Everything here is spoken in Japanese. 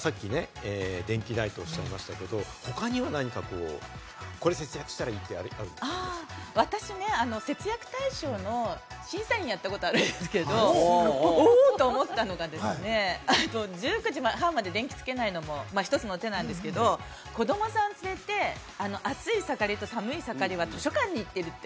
和泉さん、さっき電気代とおっしゃいましたけど、他には何か、これ節約したらいい私、節約大賞の審査員をやったことがあるんですけど、お！と思ったのが、１９時半まで電気をつけないのもひとつの手ですが、子供さんを連れて暑い盛りと寒い盛りは図書館に行ってるって。